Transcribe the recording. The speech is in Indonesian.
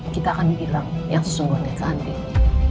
kita akan hilang yang sesungguhnya keanding